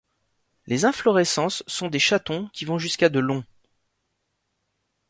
Les inflorescences sont des chatons qui vont jusqu'à de long.